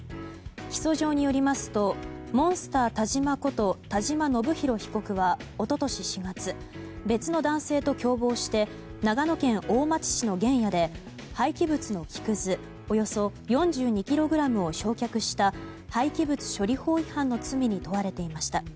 起訴状によりますとモンスター田嶋こと田嶋伸博被告は一昨年４月、別の男性と共謀して長野県大町市の原野で廃棄物の木くずおよそ４２ｋｇを焼却した廃棄物処理法違反の罪に問われていました。